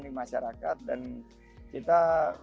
di masyarakat dan kita